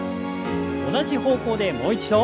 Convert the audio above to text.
同じ方向でもう一度。